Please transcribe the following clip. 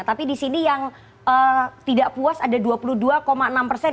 tapi di sini yang tidak puas ada dua puluh dua enam persen